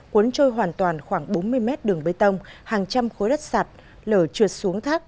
cuốn trôi hoàn toàn khoảng bốn mươi mét đường bê tông hàng trăm khối đất sạt lở trượt xuống thác